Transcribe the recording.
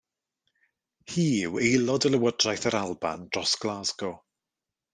Hi yw Aelod o Lywodraeth yr Alban dros Glasgow.